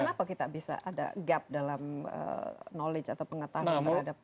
kenapa kita bisa ada gap dalam knowledge atau pengetahuan terhadap